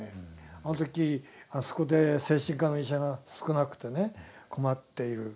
あの時あそこで精神科の医者が少なくてね困っている。